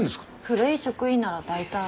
古い職員なら大体。